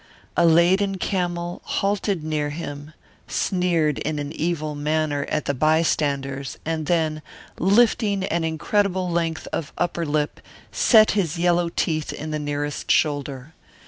A laden camel halted near him, sneered in an evil manner at the bystanders, and then, lifting an incredible length of upper lip, set his yellow teeth in the nearest shoulder.